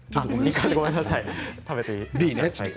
ごめんなさい。